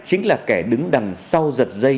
ai chính là kẻ đứng đằng sau giật dây